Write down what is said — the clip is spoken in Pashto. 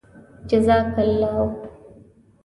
جزاك اللهُ